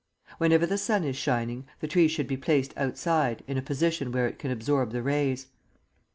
Whenever the sun is shining, the tree should be placed outside, in a position where it can absorb the rays.